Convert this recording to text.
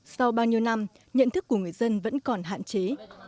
sau bao nhiêu năm nhận thức của người dân vẫn còn hạn chế